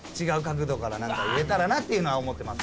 言えたらなっていうのは思ってます。